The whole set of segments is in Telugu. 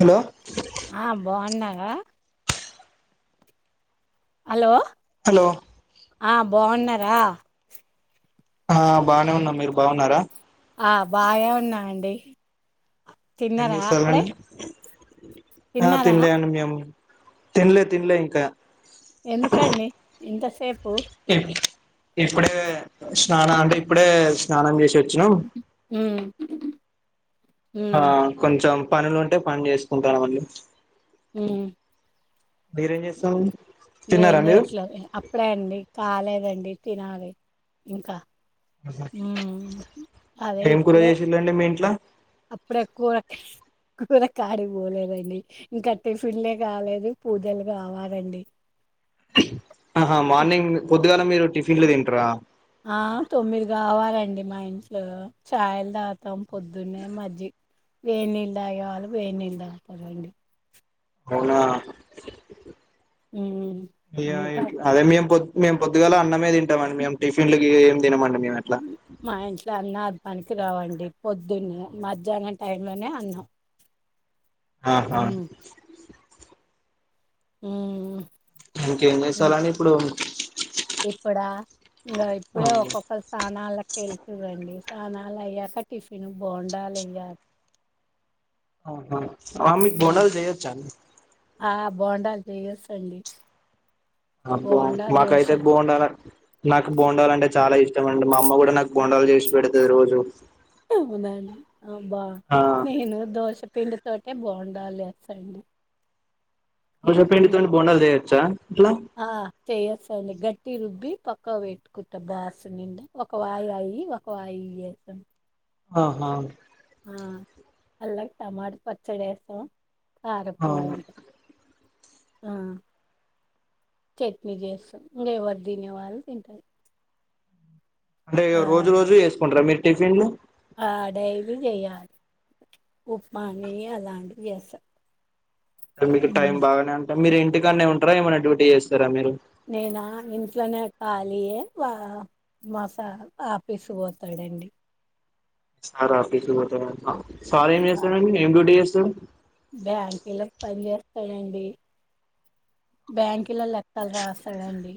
హలో ఆహ్ బాగున్నారా. హలో హలో ఆహ్ బాగున్నారా. ఆహ్ బాగానే ఉన్నాం మీరు బాగున్నారా. ఆహ్ బాగే ఉన్నాం అండి. తిన్నారా అప్పుడే. ఆహ్ తిన్నారా తిన్లే అండి మేము తిన్లే తిన్లే ఇంకా. ఎందుకండి ఇంతసేపు ఇపు ఇప్పుడే. స్నానం అంటే ఇప్పుడే స్నానం చేసి వచ్చు. ఉమ్. ఉమ్ ఆహ్ కొంచెం పనులు ఉంటే పని చేసుకుంటాన్నావని. ఉమ్. మీరేంచేస్తారు. ఏం చేయట్లే అప్పుడే అండి కాలేదండి తినాలి ఇంకా. ఆహా. ఉమ్ అదే ఏం కూర ఇప్పుడే. చేసిళ్ళండి మీ ఇంట్లో అప్పుడే కూర కూర కాడి కి పోలేదండి ఇంకా టిఫిన్లే కాలేదు పూజలు కావాలండి. ఆహా మార్నింగ్ పొద్దుగాల మీరు టిఫిన్లు తింట్రా. ఆహ్ తొమ్మిది కావాలండి మా ఇంట్లో చాయలు తాగుతాం పొద్దున్నే మజ్జిగ. వేడినీళ్లు దాగెవాళ్ళు వేడినీళ్లు తాగుతారండి అవునా ఉమ్, ఇంకా అదే మేము పోద్దు. మేము పొద్దుగాల అన్నమే తింటామండి మేం టిఫిన్ల గివి ఏమి తినమండి. మేము అట్లా మా ఇంట్లో అన్నాద్. పనికిరావండి పొద్దున్నే మధ్యాహ్నం టైం లోనే అన్నం. ఆహ్. ఉమ్మ్. ఇంకేం చేస్తారు అండి ఇప్పుడు. ఇప్పుడా ఇంగా ఇప్పుడే ఒక్కొక్కరు స్నానాలకి. ఏల్తుంరండి స్నానాలు అయ్యాక టిఫిన్ బోండాలు లేయ్యాలి. ఆహ రా మీకు బోండాలు చెయ్యొచ్చా అండి ఆ బొండాలు చెయ్యొస్తోంది అబో మాకైతే బొండాలంటే నాకు బొండాలంటే చాలా ఇష్టం. నిజమండి మా అమ్మ కూడా నాకు బొండాలు చేసి పెడుతది రోజు. అవున అండి అబా ఆ నేను దోష పిండి తోటే బొండాలు ఏస్తా అండి దోస పిండి తోని బొండాలుచేయోచ్చా ఆ చేయచు అండి గట్టిగా రుబ్బి పక్కాక్ పెట్టుకుట్ట బాస్ నిండా ఒక వాయి అయి ఒక వాయి ఇవి చేసాం ఆహా ఆ అల్లం టమాట పచ్చడి వేస్తాం ఆ కారపొడి ఉంటా ఆ చట్నీ చేస్తాం ఇంగా ఎవరు తినే వాళ్ళు తింటారు అంటే ఆ రోజు రోజు వేసుకుంటర మీరు టిఫిన్లు డైలి చేయాలి ఉప్మా అని అలాంటివి చేస్తా మీకు హ్మ్ టైమ్ బాగానే ఉంటాం మీరు ఇంటికాన్నే ఉంటారా ఏమైనా డ్యూటీ చేస్తారా మీరు నేనా ఇంట్లోనే కాలిఏ వా మాసార్ ఆఫీసు పోతడండి సార్ ఆఫీస్ పోతడంట సార్ ఏం చేస్తారండి ఏం డ్యూటీ చేస్తడు బ్యాంకులో పని చేస్తాడండి బ్యాంకులల్లా లెక్కలు రాస్తాడండి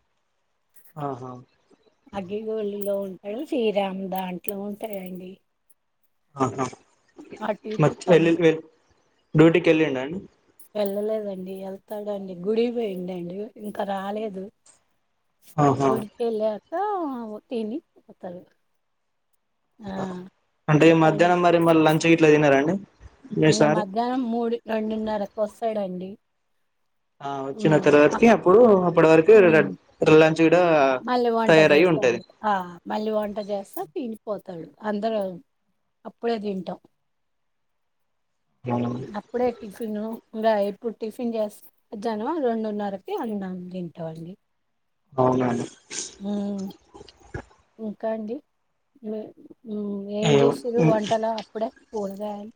ఆహా అగ్గిగోలులులో ఉంటాడు శ్రీరాం దాంట్లో ఉంటాయండి ఆహా మ అట్టిటు తమ్ డ్యూటీకి వెళ్లిండా అండి వెళ్ళలేదండి వెళ్తాడండీ గుడికి పోయిండండి ఇంకా రాలేదు ఆహా గుడికెల్లాక తిని పోతాడు ఆ అంటే ఇంకా అండి మధ్యాహ్నం మరి మళ్ళీ లంచ్ గిట్లా తినారండి మీ ఇంకా సార్ మధ్యాహ్నం మూడు రెండున్నరకు వస్తాడండి ఆ వచ్చిన ఉమ్ అ తర్వాతికి అప్పుడు అప్పటి వరకు ఉమ్ కూడా మళ్ళీ వంట తయారై ఉంటది చేస్తాండి ఆ మళ్ళీ వంట చేస్తా తినిపోతు తడు అందరం అప్పుడే తింటాం అవును. అప్పుడే టిఫిను ఇంగా ఇప్పుడు టిఫిన్ చేస్త మధ్యాహ్నం రెండున్నరకి అన్నం తింటామండీ అవునా ఇంకా అండి ఏం చేస్తురు వంటలో అప్పుడే కూరగాయలు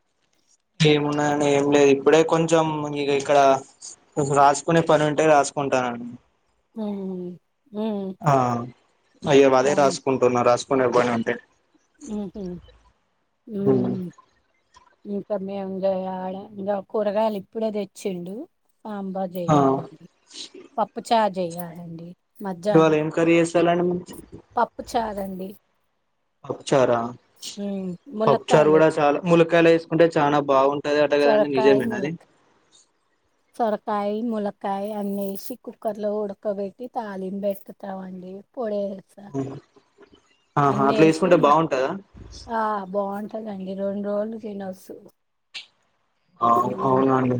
ఏమున్నదండి ఏం లేదు ఇప్పుడే కొంచెం ఇక ఇక్కడ రాసుకునే పని ఉంటే రాసు కుంటాన ఉహూ ఆ అయే అదే రాసుకుంటున్నా రాసుకునే పని ఉంటే ఉహుమ్ హ్మ్. ఉమ్ ఉ సార్లెంజేయాడ ఇంకా కూరగాయలు ఇప్పుడే తెచ్చిండు సాంబార్ ఆ చెయ్యాలండి పప్పుచార్ చెయ్యాలండి ఇవాళ మధ్యాహ్నం ఏం కర్రీ చేస్తాలండి మీరు పప్పు చారండి పప్పుచారా ఉమ్ పప్పుచారు ములక్కాయలు కూడా వచ్చి చాలా ములకాయలు వేసుకుంటే చాలా బాగుంటది అట కదండి సొరకాయ నిజమేన అది సొరకాయి ముల్లకాయ అన్నేసి కుక్కర్లో ఉడకబెట్టి తాలిం పెటుతామండి పోడే ఆహా అట్లా వేసి చేసుకుంటే బాగుంటదా అండి రెండు రోలు తినొస్సు ఆ అవునా అండి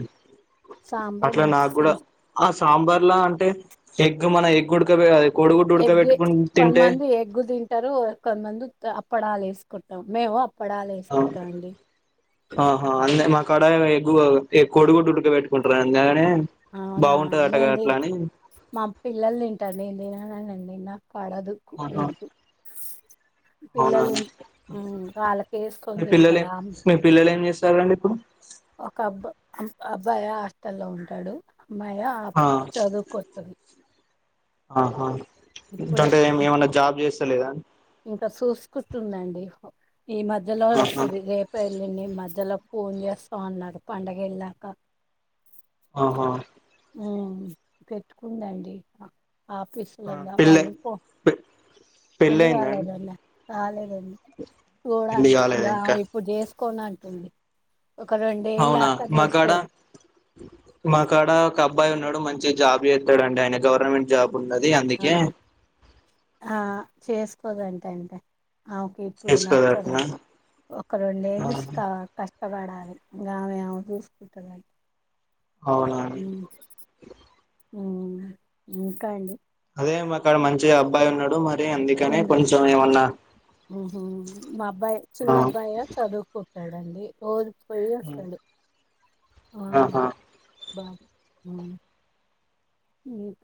సాంబార్ అట్ల నాక్ మస్తు కూడ ఆ సాంబర్లా అంటే ఎగ్ మన ఎగ్ ఓడ్ ఎగ్గె కొందమంది ఎగ్గు తింటరు కొందమంది అ అప్పడాలు ఏసుకుంటం మేము అప్పడాలు హా వేసుకుంటాం అండి అహ అంటే మాకడ గువ ఎ కొడుగుడ్టు ఉడకపెట్టుకుంటారా అలానే అవునా ఏమేంది మా పిల్లలు తింటరు నేన్ తిననన్న్ండి పడదు ఆహా ఎగ్ అవునా పిల్లలు ఉం, వాళ్ళకి వేసుకొని మీ పిల్లల్ తింటారు ఆ మి పిల్లలు ఏం చేస్తారండి ఇప్పుడు ఒక అబ్బ ఆ ఉ అబ్బాయ హాస్టల్లో ఉంటడు అమ్మాయా ఆ, చదువుకొంటుంది ఆహా ఏట్ల అంటే ఏం ఏమన్న జాబ్ చేస్తలేద ఇంకా సూసుకుంటుందండి ఈ మధ్యలో ఆహా వస్తది రేపో ఎల్లుండో మధ్యలో ఫోన్ చేస్తాం అన్నర్ పండగ ఏళ్ళాక ఆహా ఉ పెట్టుకుందండి ఆ ఆఫీసులలో పెళ్ళి వాళ్ళు పో పెళ్ళి అయిందా అండి కాలేదండి కాలేదండి పెళ్లి చూడాలి ఇగ కాలేదు ఇంకా అమె ఇప్పుడు చేస్ కోన్ అంటుంది ఒక అవునా రెండేళ్ళాక మకాడ చేసుకోదు మకాడ ఒక అబ్బాయి ఉన్నాడు మంచి జాబ్ చేస్తడ్ అండి ఆయన గవర్నమెంట్ జాబ్ ఉన్నది అందుకే అవున ఆ చెస్ దంటే అంట అండి ఆమె కి ఇప్పుడు నచ్చదు చేసుకోదట్నా ఒక రెండేళ్ళ క కష్ ష్టపడాలి ఇగ ఆమె ఆమె చూసుకుటది అవునా అండి హ్మ్ ఇంకా అండి అయితే మా కాడ మంచిగా అబ్బాయి ఉన్నడు నేను రేపు ఉమ్ హు మా అబ్బాయి ఆ చిన్న అబ్బాయా చదువుకుం టాడండి రోజ్ పోయ్ ఒస్తాడు ఆ ఆహా బా ఉం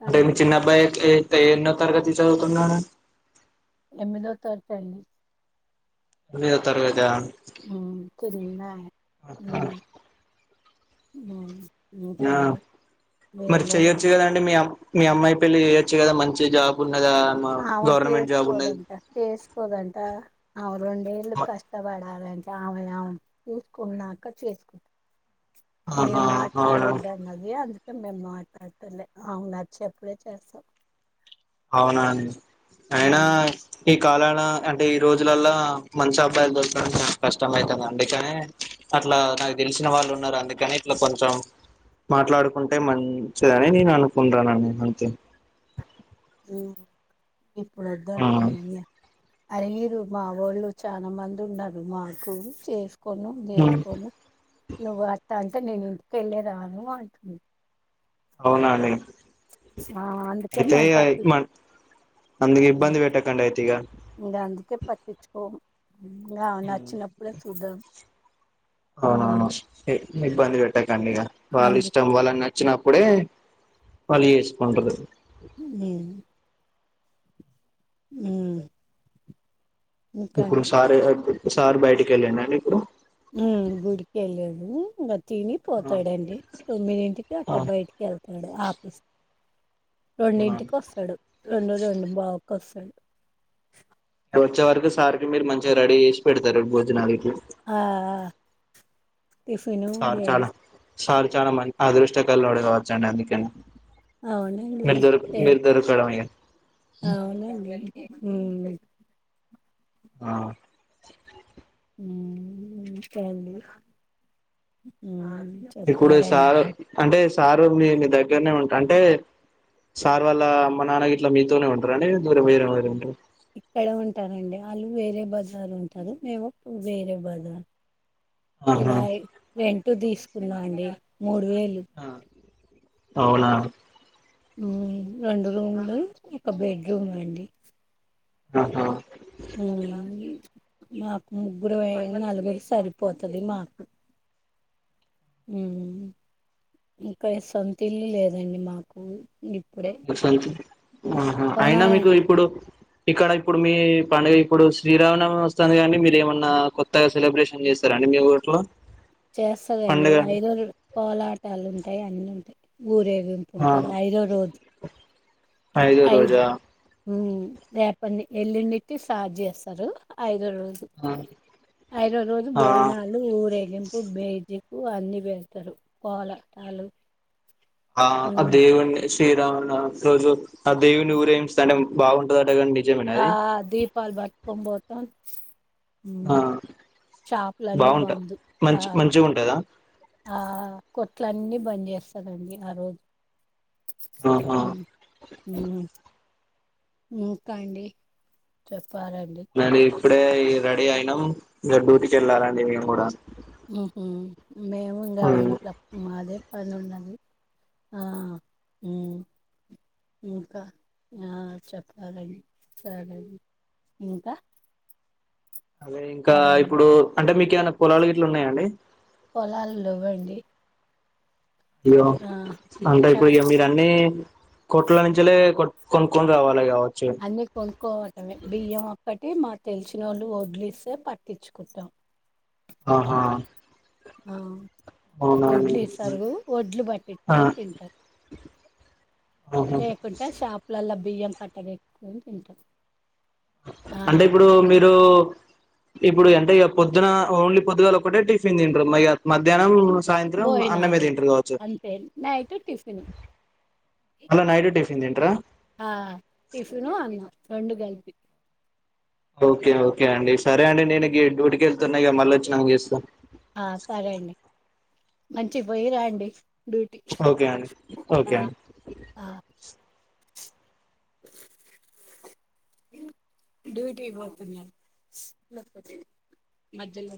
అంటే మీ చిన్న అబ్బాయి ఏత్ ఏ ఎన్నో తరగతి చదువుతున్నాడు ఏనిమిదొ తరగత్అండి ఏనిమిదొతర్గతా ఉమ్ కొరున్నాయ్ ఉమ్ ఉమ్ ఆ మరి లేదండి చెయ్యొచ్చు కదండి మీ అ మీ అమ్మాయి పెళ్లి చేయొచ్చు కద మంచి జాబ్ ఉండగా గవర్నమెంట్ జాబ్ ఉన్నది కో దంట ఆమె రెండేళ్లు కష్టపడ లంట ఆమెది ఆమె చుసుకున్నాక చేసుకుంట మీరు ఆహా అవునా మాట్లాడొద్దు అన్నది అందు కె మేమ్ మాట్లాడతలే ఆమెక్ నచ్చేప్పుడే చేస్తం అవునా అండి అయినా ఈ కాలాన అంటే ఈ రోజులల్లా మంచి అబ్బాయిలు దొరకడం చాన కష్టం అయితది అందుకని అట్ల నాక్ తెలిశిన వాళ్ళు ఉన్నారు అందుకని ఇట్ల కొంచెం మాట్లడుకుంటే మంచిదని నేను అనుకుంటాన అంతే ఉ ఇప్పుడు వద్దు ఆ అంటుంది గా అడిగిరు మాఒళ్ళు చాలా మంది ఉన్నరు మాకు చేస్ కొను ఉమ్, చేసుకోను నువ్వు అట్ల అంటె నేన్ ఇంటికెళ్లిరాను అంటుంది అవునాఅండి ఆ అందుకే అయితే మేము ఆ పట్టి అందుకె ఇబ్బంది ఏట్టకండి అయితే ఇగ పట్టించుకోమ్ నచ్చినప్పుడే చుద్దాం అవునవును ఇబ్బంది పెట్టకండి ఇగ వాళ్ళ ఇష్టం అందుకే వాళ్ళక్ నచ్చినప్ ప్పుడే మళ్ళీ చేసుకుంటరు మ్ మ్మ్ ఇప్పుడు సార్ సార్ బయటికేళిండండి ఇప్పుడు ఉమ్మ్ గుడికెలాడు తిని పోతాడండి తొమ్మిదింటికి అట అవునా బయటికెళ్తాడు ఆఫీస్ రెండింటికి ఒస్తడు రెండు రెండు బావ్ క్ ఒస్తడు వచ్చే వరకు సార్ కి మీరు మంచిగా రెడీ చేసి పెడతారు భోజనాలు ఆ ఆ టిఫిను సార్ చాలా బొజ్ సార్ చాలా మంచి అదృష్టకళోడు కావొచండి అందుకని అవునండి మీరు దొరక ఏ మీరు దొరకడం ఇగ అవునండి ఆ మ్మ్ అంతే అండీ ఇప్పుడు సారు అంటే సారూని నీ దగ్గరనే ఉంటా అంటే సార్ వాలా అమ్మ నాన్న గి ట్ల మీతోనే ఉంటారండి లేదా దూరం వేరేగ్గ ఉంటారా ఇక్కడే ఉంటారండి ఆళ్ళు వేరే బజార్ ఉంటారు మేము వేరే బజార్ గిడ ఆహా రెంటూ తీసుకున్న అండి మూడు వేలు అవునా మ్మ్ రెండు రూమ్లు ఒక బెడ్రూమ్ అండి ఆహా మ్మ్ మాకు ముగ్గురు వ నలుగురు సరిపోతాది మాకు మ్మ్ ఇంకా సొంత ఇల్లు లేదండి మాకు ఇప్పుడే మరి సొంతిల్లు ఆహా అయినా మీకు కొనాలండి ఇప్పుడు ఇక్కడ ఇప్పుడు మీ పండుగ ఇప్పుడు శ్రీరామనవమి వస్తుంది కండి మీరు ఏమన్నా కొత్తగా సెలబ్రేషన్ చేస్తారండి మీ ఊర్లో చేస్తాదండి పండుగ ఐదురు పోలాటాలు ఉంటాయి అన్ని ఉంటాయి ఊరే గింపు ఆ ఉంటది ఐదో రోజు ఐదో రోజా మ్మ్ రేప ఎల్లుండిట్టి స్టార్ట్ చేస్తారు అయి దో రోజు ఆ ఐదవ రోజు ఆ బోయినాలు ఊరేగింపు బేజి ఉ అన్నీ వేస్తారు కోలటాలు ఆ అ దేవునే శ్రీ రాముల నవమి రోజు ఆ దేవుని ఊరేగించూతాంటే బాగుంటదటగదండి ఆ దీపాలు పట్టుకొనిపోతాం ఆ బాగుంటా బంద్ ఆ మంచి మంచిగా ఉంటదా ఆ కొట్లన్నీ బంద్ చేస్తారండి ఆ రోజు ఆహా ఇంకండి చెప్పాలండి మరి ఇప్పుడే ఇగ రెడీ అయినాం ఇగ డూటీకి ఎల్లాలండి మేము కూడా ఉహ్మ్ మేము ఇంకా హ్మ్. ఇంట్లో మాదే పని ఉన్నది ఆ మ్మ్ ఇంకా ఆ చెప్పాలండి సరే ఇంక అదే ఇంకా ఇప్పుడు అంటే మీకు ఏమైనా పొలాలు గిట్ల ఉన్నాయాండి పొలాలు లేవండి అయ్యో అంటే చ ఇప్పుడు ఇగ మీరు అన్నీ కొట్లా నుంచలే కొంకోని రావాలి గవ అన్నీ కొనుక్కోవటమే బియ్యం అప అంటే మా తెలిసినోళ్లు వడ్లిస్తే పట్టిచుకుటం ఆహా ఆ అవునా అండి వోడ్లు ఏసారు వోడ్లు బట్టచ్ ఆ కొని తింటారు ఆహా లేకుంటె షాపులల్ల బియ్యం పట్టగాట్కొని తింటాం ఆ అంటే ఇప్పుడు మీరు ఇప్పుడు ఎ టె ఇగ పొద్దున ఓన్లీ పొద్దుగాల ఒకటే టిఫిన్ తింటరాల్లు నయ్యత్ మధ్యాహ్నం సాయంత్రం అన్నమే భోజనాలు తింటర్ కావచ్చు అంతే నైట్ టిఫిన్ మల్ల నైటు టిఫిన్ తింటారా ఆ టిఫిను అన్నం రెండు గలిపి ఓకే ఓకే అండి సరే అండి నేను గీ డ్యూటీకి వెళ్తున్నఇగ మళ్ళ వొచ్చినంక చేస్తా ఆ సరే అండి మంచిగ్ పోయి రాండి ఓకే అండి ఓకే అండి ఆ డ్యూటీ పోతున్న మధ్యలో